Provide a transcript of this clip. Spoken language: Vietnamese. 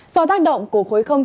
do tác động của khối không kỳ